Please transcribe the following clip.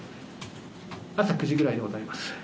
朝９時ぐらいでございます。